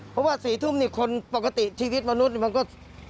เพราะว่า๔ทุ่มนี่คนปกติชีวิตมนุษย์มันก็